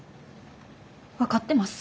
分かってます。